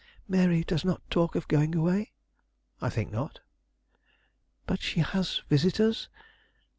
"Mary does not talk of going away?" "I think not." "But she has visitors?